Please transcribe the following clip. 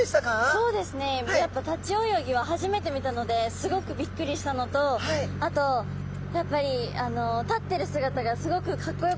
そうですねやっぱ立ち泳ぎは初めて見たのですごくびっくりしたのとあとやっぱり立ってる姿がすごくかっこよかったですね。